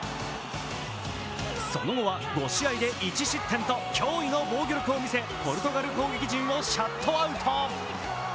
その後は５試合で１失点と驚異の防御力を見せポルトガル攻撃陣をシャットアウト。